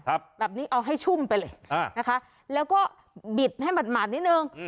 แบบนี้เอาให้ชุ่มไปเลยนะคะแล้วก็บิดให้หมดนิดนึง